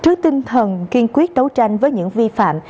trước tinh thần kiên quyết đấu tranh với những vi phạm